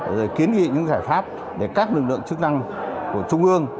rồi kiến nghị những giải pháp để các lực lượng chức năng của trung ương